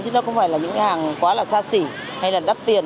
chứ nó không phải là những cái hàng quá là xa xỉ hay là đắt tiền